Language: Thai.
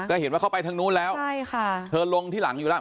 ก็เห็นว่าเขาไปทางนู้นแล้วใช่ค่ะเธอลงที่หลังอยู่แล้ว